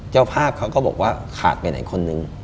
เจ้าภาพเขาก็บอกว่าขาดไปไหนคนนึง